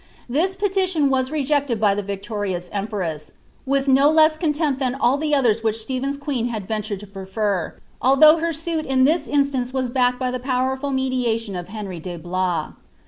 This petition was rejected by llio victo liiiaa onpress, with no less contempt than all the others which Ste phen's aii€Pn hod ventured to prefer, although her suit in this instance naa liarkod by the powerful mediation of Henry de Blois.